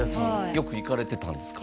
よく行かれてたんですか？